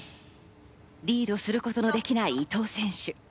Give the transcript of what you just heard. リードすることのできない伊藤選手。